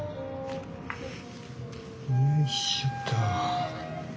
よいしょっと。